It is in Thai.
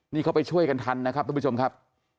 นี่เขาไปช่วยกันทันนะครับทุกผู้ชมครับ